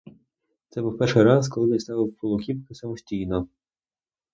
Це був перший раз, коли він ставив полукіпки самостійно.